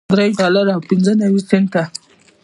درې ډالره او پنځه نوي سنټه